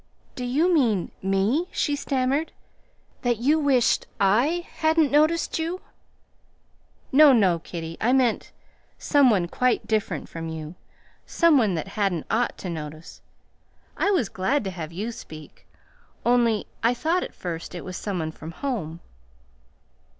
"Do you mean me?" she stammered. "That you wished I hadn't noticed you?" "No, no, kiddie! I meant some one quite different from you. Some one that hadn't ought to notice. I was glad to have you speak, only I thought at first it was some one from home."